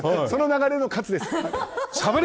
その流れの喝です。